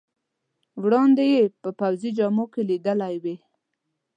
وړاندې یې په پوځي جامو کې لیدلی وې.